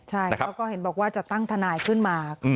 ใช่เขาก็เห็นบอกว่าจะตั้งทนายขึ้นมา